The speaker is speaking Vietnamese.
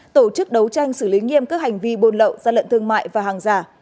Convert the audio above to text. tổ chức đấu tranh xử lý nghiêm cước hành vi bồn lậu gian lận thương mại và hàng giả